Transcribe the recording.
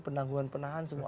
penangguhan penahan semua